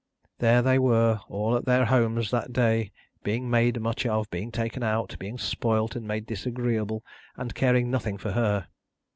There they were, all at their homes that day, being made much of, being taken out, being spoilt and made disagreeable, and caring nothing for her.